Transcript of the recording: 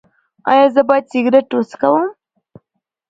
ایا زه باید سګرټ وڅکوم؟